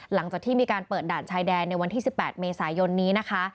หลังจากที่มีการเปิดด่านชายแดนในวันที่๑๘เมษายนนี้นะคะ